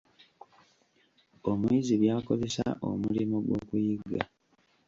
Omuyizi By'akozesa omulimo gw'okuyiga.